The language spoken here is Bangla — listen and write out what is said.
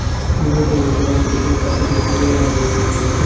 তিনি ইঙ্গিত করেছিলেন যে মাছ থেকে প্রাকৃতিক নিয়মে মানুষের আবির্ভাব হয়েছে।